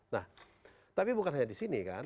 nah tapi bukan hanya di sini kan